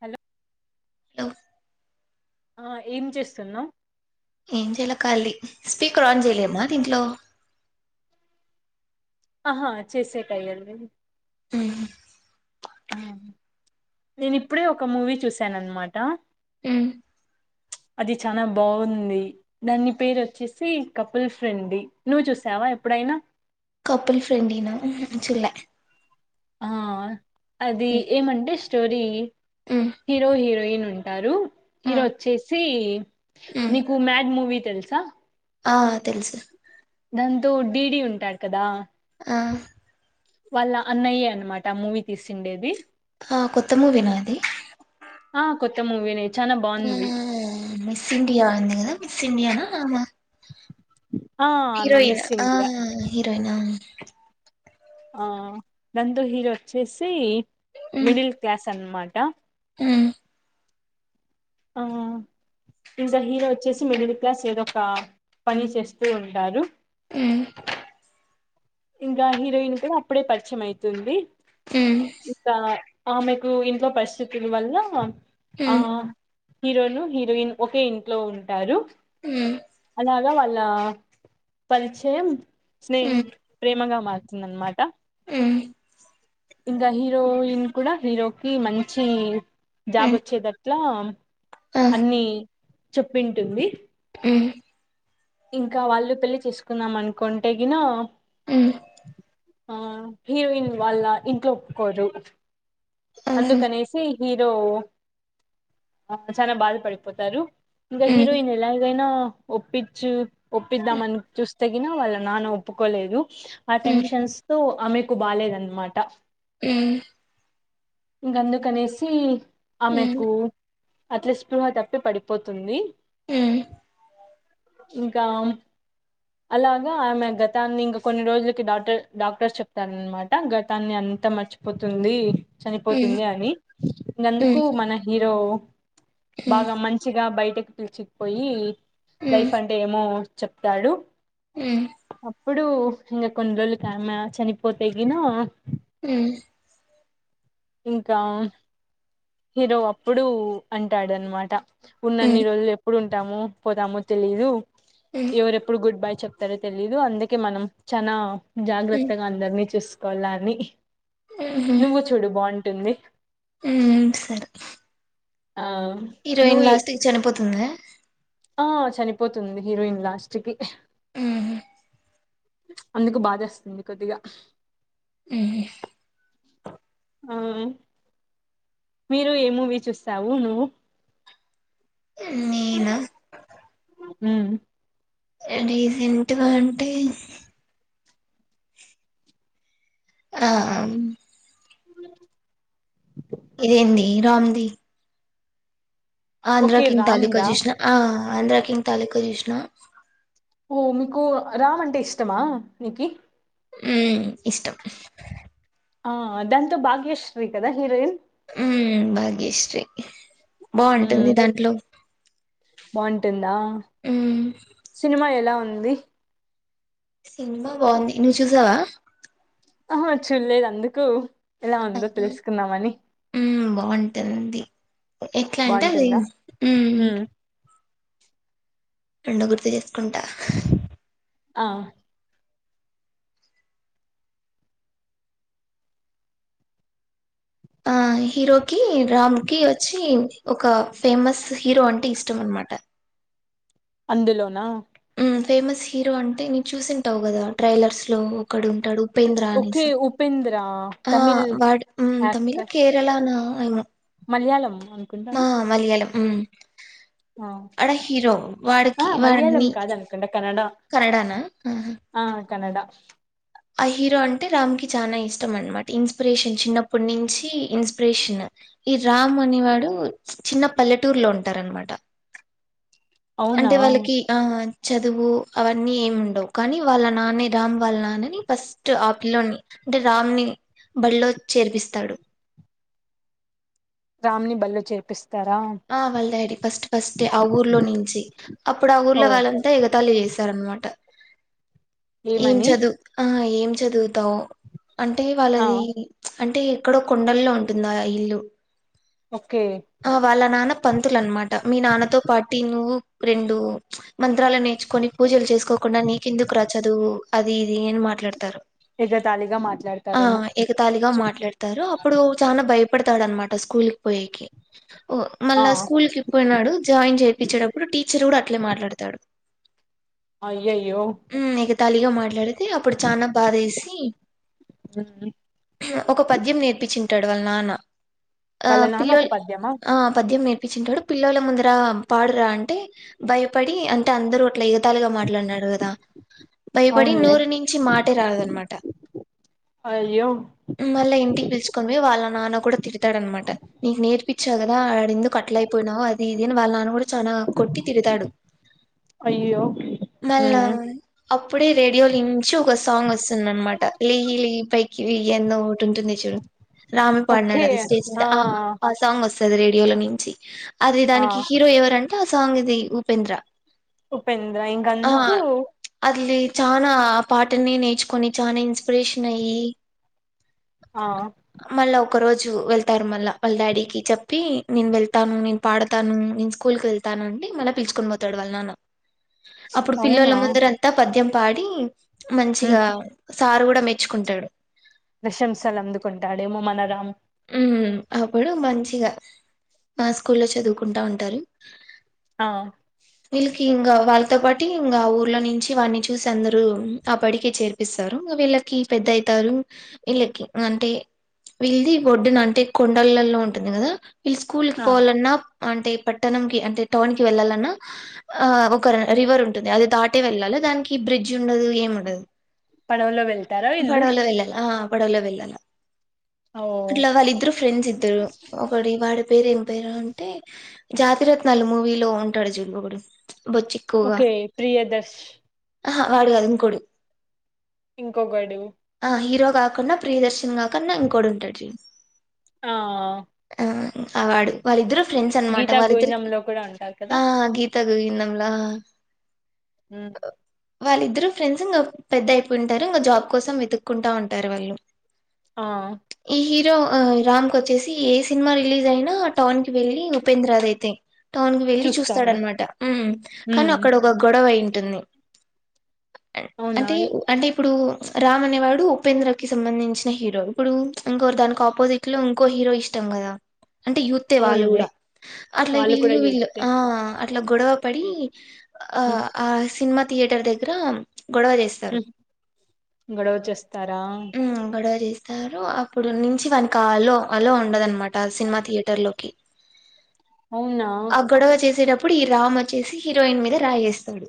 Hello hello ఆ ఏం చేస్తున్నవ్ ఏం చేయలే కాళీ స్పీకర్ ఆన్ చేయలేమా దీంట్లో ఆహా చేసేకయ్యడి ఊమ్ ఆ నేను ఇప్పుడే ఒక మూవీ చూసాను అనమాట ప్చ్ అది చాల బాగుంది దాని పేరు వచ్చేసి కపుల్ ఫ్రెండి నువ్వు చూసావా ఎప్పుడైనా కపల్ ఫ్రెండ్లి నా ఊహ్మ్ చుల్లె ఆ అది ఏమండిష్ స్టోరి హీరో హిరోన్ పెయిన్ ఉంటారు హీరో వచ్చేసి నీకు మ్యాడ్ మూవీ తెలుసా ఆ తెలుసు దాంతో డీడీ ఉంటాడు కదా ఆ వాళ్ళ అన్నయ్యే అనమాట మూవీ తీసిండేది ఆ కొత్త మూవి నా ఇది ఆ కొత్త మూవీనే చానా ఆ బాగుంది మిస్ ఇడియాది కదా సిమయానా ఆ నా ఆ ఆమె హీరోయిన్ మిస్ ఆ ఇండియా హీరోయిన్ అవును ఆ నందు హీరో వచ్చేసి మిడిల్ క్లాస్ సన్మాటా ఆ ఆ ఇంకా హీరో వచ్చేసి మిడిల్ క్లాస్ ఏదో ఒక పని చేస్తూ ఉంటారు ఆ ఇంకా హీరోయిన్ క అప్పుడే పరిచయం అయితుంది ఇకా ఆమెకు ఇంట్లో పరిస్థితుల వల్ల ఆ హీరోలు హీరోయిన్ ఒకే ఇంట్లో ఉంటారు అ ఇలాగా వాళ్ళ పరిచయం స్నేహి మగా మార్తుంద అనమాట ఆ ఇంకా హీరోయిన్ కూడా హీరోకి మంచి జాబ్చ్చే దర్ లా అన్నిీ చెప్పింటుంది అ ఇంకా వాళ్ళు పెళ్లిి చేసుకున్నాం అనుకుంటే గనో ఆ ఆ హీరోయిన్ వాళ్ళ ఇంట్లో ఒప్పుకోరు అందు కనేసి హీరో ఆ చాల బాధ పడిపోతారు ఇకా హీరోయిన్ ఎలాగైనా ఒప్పించు ఒప్పిద్దాం అని చూస్త తగినా వాళ్ళ నాన్న ఒప్పుకోలేదు ఆ టెన్షన్స్ తో ఆమెకు బాలేదన్నమాట హ్మ్ గందు కనేసి ఆమెకు అట్లే స్పృహ తప్పి పడిపోతుంది హ్మ్ ఇంకా అలాగా ఆమె గతాన్ని ఇంకా కొన్ని రోజులకి డాక్టర్ డాక్టర్స్ చెప్తారనమాట గతాన్ని అంత మర్చిపోతుంది చనిపోతుంది అని ఇకందుకు మన హీరో బాగా మంచిగా బయటకి పిలిచికుపోయి లైఫ్ అంటే ఏమో చెప్తాడు సరే అప్పుడు ఇంగ కొన్ని రోజులకి ఆమె చనిపోతేగిన హ్మ్ ఇంకా హీరో అప్పుడు అంటాడనమాట ఉన్నన్ని రోజులు ఎప్పుడు ఉ ఉంటామో పోతామో తెలీదు. ఎవరు ఎప్పుడు గుడ్ బై చెప్తరో తెలీదు అందుకే మనం చనా జాగ్రత్తగా అందరినీ చూసు కొళ్లాన్ని ఉ హూ అంటుంది హ్మ్ సరే ఆ హీరోయిన్ నువ్వు లాస్ట్ చనిపోత్ తుందా ఆ చనిపోతుంది హీరోయిన్ లాస్ట్ కి. హ్మ్ అందుకు బాదెస్తుంది కొద్దిగా. హ్మ్ ఆ మీరు ఏ మూవీ చూస్తావు నువ్వు నేనా హ్మ్ రీసెంట్ గా అంటే ఆ హ్మ్ ఇదేంది ఇరాఉంది ఓకే ఆంధ్రాకిింగ్ రామ్ తాలూకా దా జూష్ణ ఆ ఆంధ్రాకింగ్ తాలూకా జూష్ణ ఓ మీకు రామ్ అంటే ఇష్టమా మీకీ ఉ ఇష్టం ఆ దాంతో భాగ్యశ్రీ కదా హీరోయిన్. హ్మ్ భాగ్యశ్రీ బాగుంటుంది దాంట్లో బావుంటుందా సినిమా ఎలా ఉ ఉంది సినిమా బావ్ంది నువ్ చూసా అహా చూల్లేద్ అందుకు ఎలా ఉందో తెలుసుకుందామని వుంటుంది. ఎట్లా అంటే అది బాగుంటుందా హ్మ్ రెండు గుర్తు చేసుకుంటా. ఆ ఆ హీరోకి రామ్ కి వచ్చి ఒక ఫేమస్ హీరో అంటే ఇష్టం అనమాట. అందులోనా ఫేమస్ హీరో అంటే నువ్ చూసింటవు కదా ట్రైలర్స్ లో ఒకడు ఉంటడు ఉపేంద్ర ఓకే అనేసి ఉపేంద్ర హ తమిళ్ వాడ్ హ్మ్ తమిళ్ కేరళనా ఏమో మాలియాళం హా మలీయాళం హ్మ్ ఆ ఆడ హీరో ఆ వాడికి మలయాళం వాడిని కాదనుకుంటా కన్నడ కనడాన కనడ ఆ హీరో అంటే రామ్ కి చాన ఇష్టం అనమాట ఇన్స్పిరేషన్ చిన్నప్పుటి నుంచి ఇన్స్పిరేషన్ ఈ రామ్ అనేవాడు చిన్న పల్లెటూరులో ఉంటారు అనమాట అవునా అంటే వాళ్ళకి ఆ చదువు అవన్నీ ఏమి ఉండవు కానీ వాళ్ళ నాన్నే రామ్ వాళ్ళ నాన్నని ఫస్ట్ ఆపిల్లోని అంటే రామ్ నీ బడిలో చేర్పిస్తాడు రామ్ నీ బళ్ళో చేర్పి ఆ వాల్ డాడి ఫస్ట్ ఫస్టే ఆ ఊర్లో నుంచి అప్పుడు ఆ ఓ ఊర్లో వాళ్లంతా ఎగతాళి చేసారనమాట ఏం ఏమని చదువు ఆ ఏం చదువు తో అంటే ఆ వాళ్ళది అంటే ఎక్కడో కొండల్లో ఉంటుందా ఆ ఇల్లు ఓకే ఆ వాళ్ళ నాన్న పంతులు అనమాట మీ నాన్నతో పాటి నువ్ రెండు మంత్రాలు నేర్చుకొని పూజలు చేసు కోకుండా నీకెందుకు రా చదువు అది ఇది అని మాట్లాడతారు ఎగతాళిగా ఆ మాట్లాడతారేమో ఎకతాళిగా చు మాట్లాడతారు అప్పుడు చానా భయపడతాడు అన మాట స్కూల్కి పోయేకి ఆ మళ్ళా స్కూల్ కి పోయినాడు జాయిన్ చేర్పించేటప్పుడు టీచర్ కూడా అట్లే మాట్లాడతాడు అయ్యయ్యో ఎగ తాళిగా మాట్లాడితే అప్పుడు చాన బాధేసి హ్మ్ ఒక పద్యం నేర్పించి [unintelligible] వాళ్ళ నాన్న వాళ్ళ నాన్న ఒక పిల్లోల్ పద్యమ ఆ పద్యం నేర్పించి ఉంటాడు పిల్లల ముందర పాడరా అంటే భయపడి అంటే అందరు అట్ల ఎ [unintelligible] మాట్లాడినాడు కదా భయపడి అవునులే నోరు నుంచి మాటే రాదన్న మాట అయ్యో పిలుచుకని పోయి వాళ్ళ నాన్న కూడా తిడతాడన్న మాట నీకు నేర్ ప్పించా కదా ఆడేందుకు అట్లా అయిపోయినావు అది ఇది అని వాళ్ళ నాన్న కూడ చాన కొట్టి తిడతాడు అయ్యో మళ్ళా ఉమ్ అప్పుడే రేడియో నుంచి ఒక సాంగ్ వస్తుంది అన్న మాట [unintelligible] పైకి ఎంద [unintelligible] ఉంటుంది చూడు రామే పాడినాడు ఓకే అది స్టేజ్ మీద ఆ వస్తుది రేడియోలో నించి అది ఆ దానికి హీరో ఎవర ఎ సాంగ్ ఇది ఉపేంద్ర ఉపేంద్ర ఆ ఇంకందుకు అది చానా ఆ పాటనే నేర్చుకొని చా ఇన్స్పిరేషన్ అయ్యి ఆ మళ్ళా ఒక రోజు వెళ్తారు మళ్ళ వాళ్ళ డాడీ చెప్పి నేను వెళ్తాను నేను పాడతాను నేను స్కూల్ కి వెళ్తాను అండి మళ్ళ పీల్చుకొని పోతాడు వాళ్ళు నాన్న అప్పుడు పిల్లల అవునా ముందర అంతా పద్యం పాడి మ్మ్ మంచిగా సారువు [unintelligible] మెచ్చుకుంటాడు ప్రశంసలు అందుకుంటాడేమో మన రా అప్పుడు మంచిగా మా స్కూ లో చదువుకుంటా ఉంటారు ఆ వీళ్ళకి ఇంకా వాళ్ళతో పాటు ఇంకా ఊర్లో నుంచి వాని చూసి అందరు ఆ బడికి చేర్పిస్తారు ఇ వీళ్ళకి పెద్దయితారు వీళ్ళకి అంటే వీళ్ళది ఓడ్డున అంటే కొండలలో ఉంటుంది కదా ఈళ్లు స్కూలుకి ఆ పోవాలన్న అంటే పట్టణం కి అంటే టౌన్ కి వెళ్లాలన్న ఆ ఒక రివర్ ఉంటుంది అది దాటి వెళ్ళాలి దానికి ఈ బ్రిడ్జ్ ఉండదు ఏం ఉండదు పడవలో వెళ్తారా ఈ వీళ్ళు పడవుల వెళ్ళాలా పడవలో వెళ్ళాలా ఓ అట్లా వాళ్ళిద్దరు ఫ్రెండ్స్ ఇద్దరు ఒకటి వాడి పేరుేం అంటే జాతిరత్నాలు మూవీలో ఉంటాడు జింగకుడు ఓకే ప్రియదర్శ ఆహా వాడు కాదు ఇంకోడు ఇంకొకడు ఆ హీరో కాకుండా ప్రియదర్శన్ కాకుండా ఇంకోడు ఉంటాడు జ ఆ అ వాడు వాళ్ళిద్దరు ఫ్రెండ్స్ అనమాట గీతా వాళ్ళద్దకి గోవిందంలో కూడా ఉంటారు కదా ఆ గీతకు లా ఆ వాళ్ళ ఇద్దరు ఫ్రెండ్స్ ఇంకా పెద్ద అయిపోయింటారు ఇంకా జాబ్ కోసం వెతుక్కుంటా ఉంటారు వాళ్ళు ఆ ఈ హీరో రామ్ క వచ్చేసి ఏ సినిమా రిలీజ్ అయినా టౌన్ కి వెళ్ళి ఉపేంద్రనాథ్ అయితే టౌన్ కి వెళ్ళి చూస్తాడు చూస్తాడనమాట కానీ మ్మ్ అక్కడ ఒక గొడవ అయింది పుట్ంది అవునా అంటే అంటే ఇప్పుడు రామ్ అనేవాడు ఉపేంద్ర కి సంబంధించిన హీరో ఇప్పుడు ఉచ్ ఇంకోరు దానికి ఆపోజిట్ లో ఇంకో హీరో ఇష్టం కదా అంటే యూత్ ఏ వాళ్ళు అవునులే కూడా అట్ల వాళ్ళు కూడా వీళ్ళు వీళ్ళు యూతే ఆ అట్ల గొడవ పడి ఆ మ్మ్ ఆ సినిమా థియేటర్ దగ్గర గొడవ చేస్తారు మ్మ్ గొడవ చేస్తారా హు గొడవ చేస్ తారు ఆ అప్పుడు నుంచి వానికి అల్లో అల్లో ఉండదన్న మాట సినిమా థియేటర్ లోకి అవునా అ గడవ చేసే టప్ అప్పుడు ఈ రామ్ వచ్చేసి హీరోయిన్ మీద రాయి ఏస్తాడు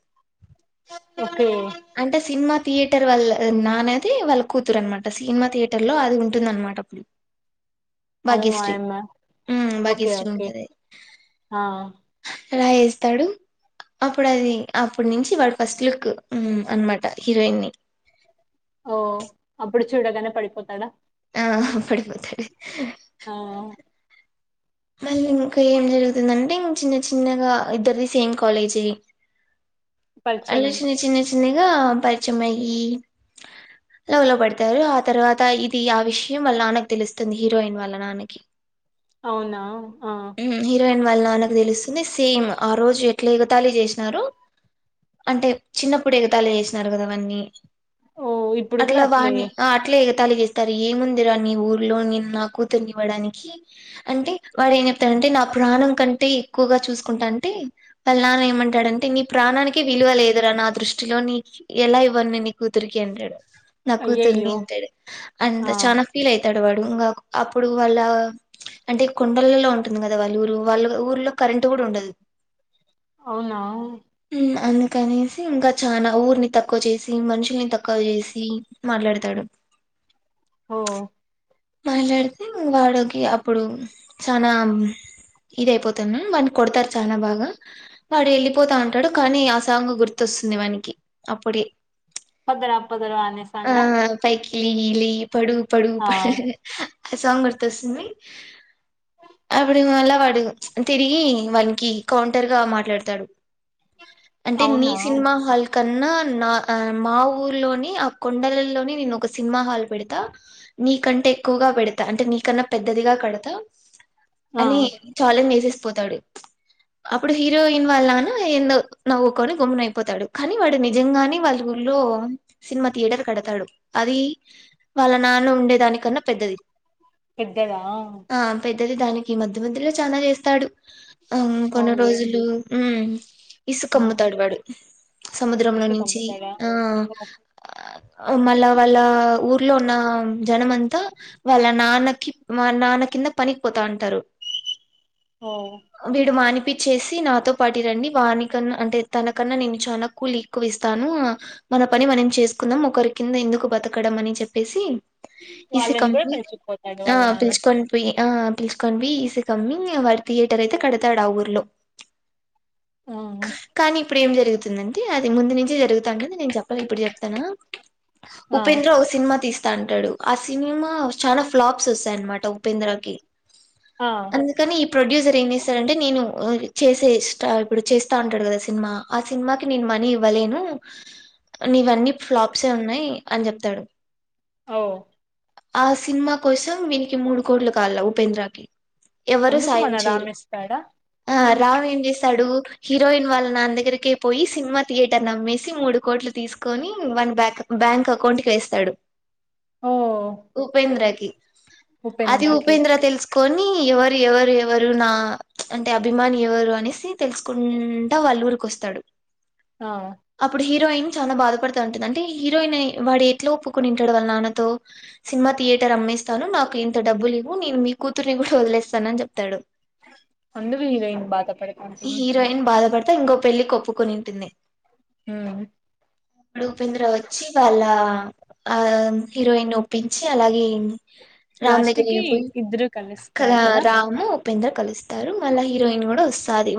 ఓకే సినిమా థియేటర్ వాళ్ళ నాన్నది వాళ్ళు కూతురు అన్నమాట సినిమా థియేటర్ లో అది ఉన్ టుందన్నమాట అవు భాగ్యశ్రీ ఆయమ్మ యూ ఓకే భాగ్యశ్రీ ఓకే ముంజరే ఆ రాయి ఏస్తాడు అప్పుడు అది అప్పుటి నుంచి వాడు ఫస్ట్ లుక్ యూ అన్నమాట హీరోయిన్ ని ఓ అప్పుడు చూడగానే పడిపోతాడా హా పడిపోతాడు అ ఆ మళ్లీ ఇంకా ఏం జరుగుతుందంటే ఇన్ చిన్న చిన్నగా ఇద్దరిదీ సేమ్ కాలేజ్ ఏ పరిచయం అలా చిన్న చిన్న చిన్ తిన్నగా పరిచయం అయ్యి లవ్ లో పడతారు ఆ తర్వాత ఇది ఆ విషయం వాళ్ళ నాన్నకి తెలుస్తుంది హీరోయిన్ వాళ్ళ నాన్న కి అవునా ఆ ఉమ్మ్ హీరోన్ ను వాళ్ళ నాన్నకు తెలుస్తుంది సేమ్ ఆ రోజు ఎట్ల ఎగతాళి చేసినారో అంటే చిన్నప్పుడు ఎగతాళి చేసినారు కదా వాన్ని ఓ ఇప్పుడు అట్ల కూడా అట్లే వాన్ని ఆ అట్లే తలుగు ఎస్తారు ఏముందిరా నీ ఊర్లో ని నా కూతుర్ని ఇవ్వడానికి అంటే వాడే ఏమి చెప్ తను అంటే నా ప్రాణం కంటే ఎక్కువ గా చూసుకుంటా అంటే వాళ్ల నాన్న ఏమంటాడు అంటే నీ ప్రాణానికే విలువ లేదురా నా దృష్టిలో నీకి ఎలా ఇవ్వను నీ కూతురికి అంటాడు నా కూతుర్ని అయ్యయ్యో అంటాడు ఆ అంత చానా ఫీల్ అయితాడు తావాడు ఇంకా అప్పుడు వాళ్ళ అంటే కొండలలో ఉంటుంది కదా వాళ్ళ ఊరు వాళ్ళ ఊరు లో కరెంట్ కూడా ఉండదు అవునా నా అందు కనేసి ఇంకా చాలా ఊరి ని తక్కువ చేసి మనుషుల్ని తక్కువ చేసి మాట్లాడుతాడు ఓ మాట్లాడితే వాడుకి అప్పుడు చానా ఇది అయిపోతున్నా వాని కొడతారు చాలా బాగా వాడు వెళ్ళిపోతా అంటాడు కానీ ఆ సాంగ్ గుర్తొస్తుంది వానికి అప్పుడే పదరా పదరా అనే సాంగ్ ఆ లీ లీ పడు పడు పః ఆ సాంగ్ గుర్తొస్తుంది అప్పుడు మళ వాడు తిరిగి వానికి కౌంటర్గా మాట్లాడతాడు అంటే నీ అవునా సినిమా హాల్ కన్నా నా మా ఊర్లోని ఆ కొండల లోని నేను ఒక సినిమా హాల్ పెడతా నీకంటే ఎక్కువగా పెడతా అంటే నీకన్నా పెద్దదిగా కడతా ఆ అని చాలా మేజెస్ పోతాడు అప్పుడు హీరోయిన్ వాళ్ళన ఎందో నవ్వుకొని గమ్మున అయిపోతాడు కానీ వాడు నిజంగానే వాళ్ళ ఊళ్లో సినిమా థియేటర్ కడతాడు అది వాళ్ళ నాన్న ఉండే దానికన్నా పెద్దది పెద్దదా అతే దానికి మధ్య మధ్యలో చాలా చేస్తాడు ఆ కొన్ని అవునులే రోజులు ఉ ఇసుక ఉమ్ అమ్ముతాడు వాడు సముద్రంలో నుంచి విసుగమ్ముతాడా ఆ ఓ మళ్ళ వాళ్ళ ఊర్లో ఉన్న జనం అంతా వాళ్ళ నాన్నకి మా నాన్న కింద పనికి పోతా అంటారు ఓ బీడుమాని పప్పించేసి నాతో పాటు రండి వని కన్నా అంటే తనకన్నా నేను చాలా కూలి ఎక్కువ ఇస్తాను మన పని మనం చేసుకుందాం ఒకరి కింద ఎందుకు బతకడం అని చెప్పేసి వాళ్ళని ఇసుకమ్ కూడా పిలుచుకుపోతాడు ఆ వాళ్ళ నాన్న పిలుచుకొని పోయి ఆ పిలుచుకోండి బ ఈస్ కమ్మింగ్ వారి థియేటర్ అయితే కడతాడు ఆ ఊర్లో ఆహు కానీ ఇప్పుడు ఏం జరుగుతుందంటే అది ముందు నుంచే జరుగుతా అంటె నేను చెప్పాలె ఇప్పుడు చెప్తానా ఆ ఉపేంద్ర ఓ సినిమా తీస్తు అంటాడు అస్తా సినిమా చనా ఫ్లాప్స్ వస్తాయి అన్నమాట ఉపేంద్రకి ఆ అందుకని ఈ ప్రొడ్యూసర్ ఏం చేస్తారంటే నేను చేసే ఇ ఇప్పుడు చేస్తా ఉంటాడు కదా సినిమా ఆ సినిమాకి నేను మనీ ఇవ్వలేను నీవన్నీ ఫ్లాప్స్సఉన్నాయి అని చెప్తాడు ఓ ఆ సినిమా కోసం వీనికి మూడు కోట్లు కావలా ఉపేంద్రకి ఎవరు అందుకు సాయం మన చేయరు రామేస్తాడా ఆ రామ్ ఏం చేస్తాడు హీరోయిన్ వాళ్ళ నాన్న దగ్గరికే పోయి సినిమా థియేటర్ నమ్మేసి మూడు కోట్లు తీసుకొని వాన్ బ్యాక్ బ్యాంక్ అకౌంట్కి వేస్తాడు ఓ ఉపేంద్రకి అది ఉపేంద్రకి ఉపేంద్ర తెలుసుకొని నీ ఎవరు ఎవరు ఎవరు నా అంటే అభిమాని ఎవరు అనేసి తెలుసుకుంటా వాళ్ళ ఊరికు వస్తాడు ఆ అప్పుడు హీరోయిన్ చాలా బాధపడుతూ ఉంటుంది అంటే హీరోయిన్ వాడు ఎట్లా ఒప్పుకునింటాడు వాళ్ళ నాన్నతో సినిమా థియేటర్ అమ్మేస్తాను నాకు ఇంత డబ్బులు ఇవ్వు నేను మీ కూతుర్ని కూడా వదిలేస్తాను అని చెప్తాడు అందుకు హీరోయిన్ బాధ పడకుంట హీరోయిన్ బాధపడతా ఇంకో పెళ్లి కొప్పుకునింది ఇప్పుడు ఉపేంద్ర వచ్చి వాళ్ళ ఆ హీరోయిన్ ఒప్పించి అలాగేం లాస్ట్ రామనగరి కి ఇద్దరు కదా కలుస్తారు రాము ఉపేంద్ర కలుస్తారు మళ్ళ హీరోయిన్ కూడా వస్తది